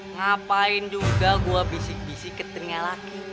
ngapain juga gue bisik bisik ke telinga laki